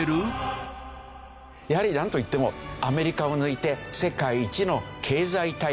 やはりなんといってもアメリカを抜いて世界一の経済大国。